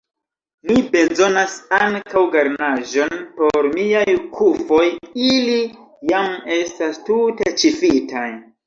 Mi bezonas ankaŭ garnaĵon por miaj kufoj, ili jam estas tute ĉifitaj.